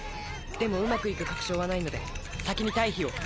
でもうまく行く確証はないので先に退避を。